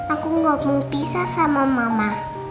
aku gak mau pisah sama mama